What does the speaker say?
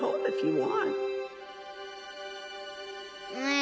え。